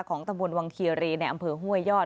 ของตะบุญวังคิรีในอำเภอห้วยยอด